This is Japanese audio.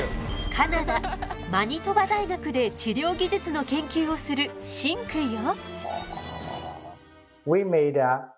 カナダマニトバ大学で治療技術の研究をするシンくんよ。